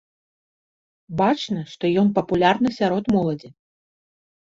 Бачна, што ён папулярны сярод моладзі.